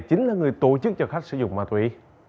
chính là người tổ chức cho khách sử dụng ma túy